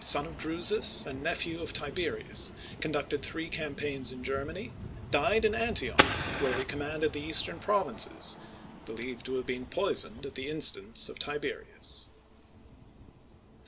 son of Drusus and nephew of Tiberius; conducted three campaigrns in Germany; died at Antioch, where he commanded the Eastern provinces; believed to have been poisoned at the instance of Tiberius.